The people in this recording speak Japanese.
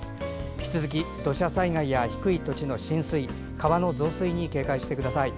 引き続き土砂災害や低い土地の浸水川の増水に警戒してください。